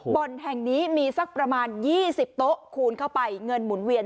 บ่อนแห่งนี้มีสักประมาณ๒๐โต๊ะคูณเข้าไปเงินหมุนเวียน